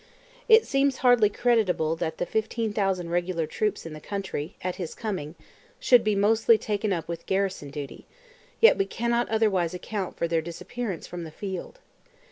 It seems hardly credible that the 15,000 regular troops in the country at his coming should be mostly taken up with garrison duty, yet we cannot otherwise account for their disappearance from the field.